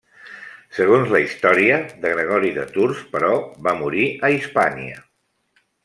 Segons la història de Gregori de Tours, però, va morir a Hispània.